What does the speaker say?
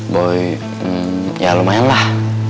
boy ya lumayan lah